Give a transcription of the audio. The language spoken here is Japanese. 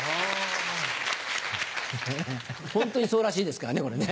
ホントにそうらしいですからねこれね。